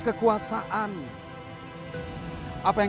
terus sampai di sekarang